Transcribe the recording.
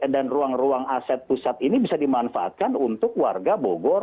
ruang ruang aset pusat ini bisa dimanfaatkan untuk warga bogor